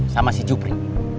sama si jupri